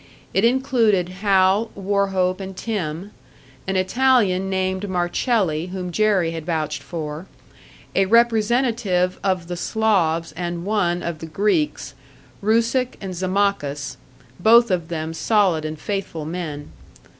It included Hal, Wauchope, and Tim; an Italian named Marcelli, whom Jerry had vouched for; a representative of the Slavs and one of the Greeks Rusick and Zammakis, both of them solid and faithful men.